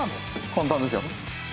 簡単ですよ。